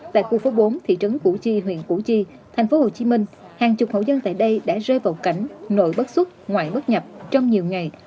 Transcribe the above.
tại khu phố bốn thị trấn củ chi huyện củ chi thành phố hồ chí minh hàng chục hậu dân tại đây đã rơi vào cảnh nội bất xuất ngoại bất nhập trong nhiều ngày